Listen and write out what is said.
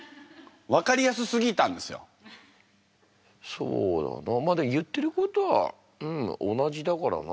そうだなまあ言ってることはうん同じだからな。